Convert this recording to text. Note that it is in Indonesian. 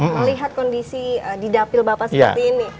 melihat kondisi didapil bapak seperti ini